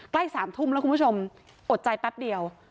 ใกล้๓ทุ่มแล้วคุณผู้ชมอดใจแป๊บเดียว